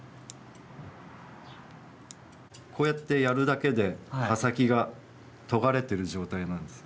こうやってやるだけで刃先が研がれてる状態なんです。